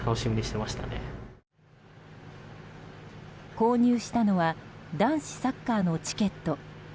購入したのは男子サッカーのチケット。